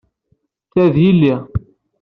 Ta d yell-i.